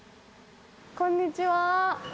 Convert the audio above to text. こんにちは。